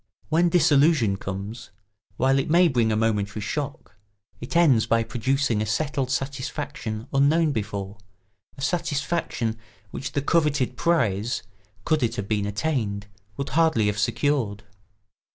When disillusion comes, while it may bring a momentary shock, it ends by producing a settled satisfaction unknown before, a satisfaction which the coveted prize, could it have been attained, would hardly have secured.